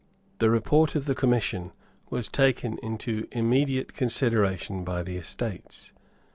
The Report of the Commission was taken into immediate consideration by the Estates.